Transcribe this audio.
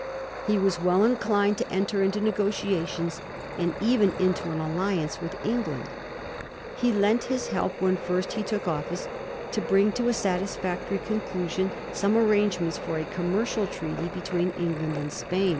He was well inclined to enter into negotiations, and even into an alliance, with England. He lent his help when first he took office to bring to a satisfactory conclusion 6ome arrangements for a commercial treaty between England and Spam.